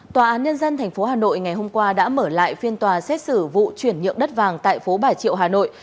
tòa án nhân dân tp hà nội ngày hôm qua đã mở lại phiên tòa xét xử vụ chuyển nhượng đất vàng tại phố bà triệu hà nội